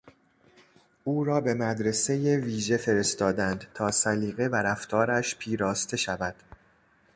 او را به مدرسهی ویژه فرستادند تا سلیقه و رفتارش پیراسته شود.